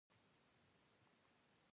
پر هند باندي یرغل وکړي.